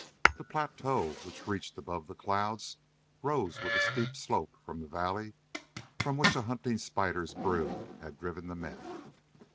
The plateau which reached above the clouds rose with a steep slope from the valley from which a hunting spider's brood had driven the men.